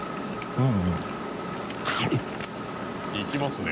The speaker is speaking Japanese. うん。